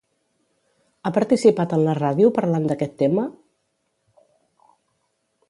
Ha participat en la ràdio parlant d'aquest tema?